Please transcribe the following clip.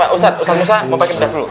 ustadz ustadz musa mau pake bedak dulu